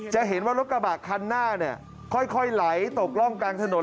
จะเห็นว่ารถกระบะคันหน้าเนี่ยค่อยไหลตกร่องกลางถนน